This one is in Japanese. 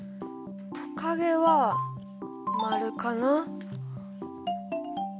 トカゲは○かな。